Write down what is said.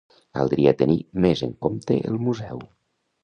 Caldria tenir més en compte el museu